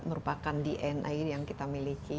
merupakan dna yang kita miliki